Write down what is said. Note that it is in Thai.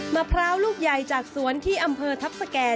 มะพร้าวลูกใหญ่จากสวนที่อำเภอทัพสแก่